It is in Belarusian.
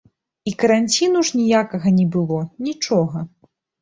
І каранціну ж ніякага не было, нічога.